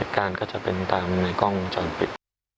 เหตุการณ์ก็จะเป็นตามกล้องวงจรปิด